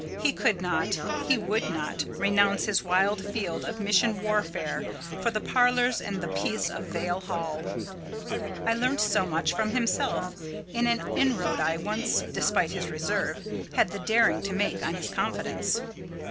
He could not—he would not—renounce his wild field of mission warfare for the parlours and the peace of Vale Hall. I learnt so much from himself in an inroad I once, despite his reserve, had the daring to make on his confidence.